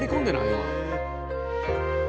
今。